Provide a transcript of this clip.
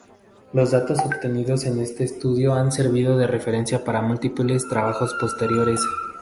Los datos obtenidos en este estudio han servido de referencia para múltiples trabajos posteriores.